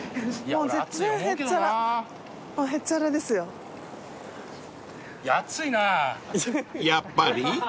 ［やっぱり？］